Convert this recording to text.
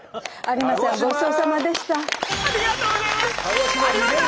ありがとうございます！